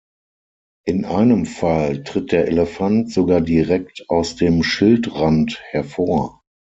In einem Fall tritt der Elefant sogar direkt aus dem Schildrand hervor.